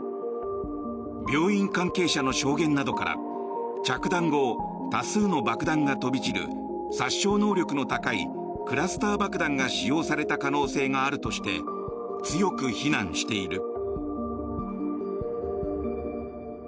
病院関係者の証言などから着弾後、多数の爆弾が飛び散る殺傷能力の高いクラスター爆弾が使用された可能性があるとして強く非難している。